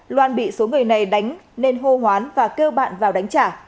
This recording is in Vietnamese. loan bị số người này đánh nên hô hoán và kêu bạn vào đánh trả